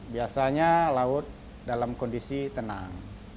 biasanya laut dalam kondisi tenang